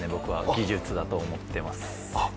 技術だと思っています。